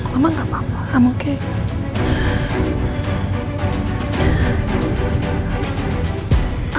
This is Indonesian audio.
mama gak apa apa aku baik baik saja